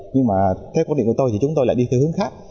nhưng mà theo quan điểm của tôi thì chúng tôi lại đi theo hướng khác